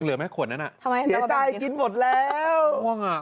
เหลือแม่ขวนนั้นอะเสียใจกินหมดแล้ว